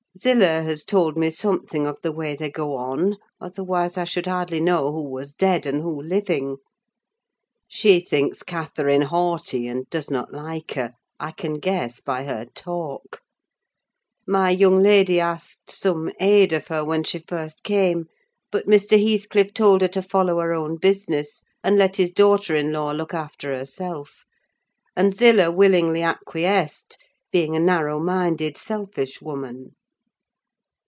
Zillah has told me something of the way they go on, otherwise I should hardly know who was dead and who living. She thinks Catherine haughty, and does not like her, I can guess by her talk. My young lady asked some aid of her when she first came; but Mr. Heathcliff told her to follow her own business, and let his daughter in law look after herself; and Zillah willingly acquiesced, being a narrow minded, selfish woman.